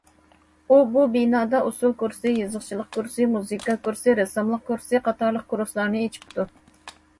ئۇ بۇ بىنادا ئۇسسۇل كۇرسى، يېزىقچىلىق كۇرسى، مۇزىكا كۇرسى، رەسساملىق كۇرسى قاتارلىق كۇرسلارنى ئېچىپتۇ.